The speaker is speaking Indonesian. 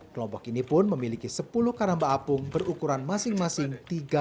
kelompok ini pun memiliki sepuluh keramba apung berukuran masing masing tiga lima